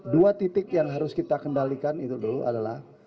dua titik yang harus kita kendalikan itu dulu adalah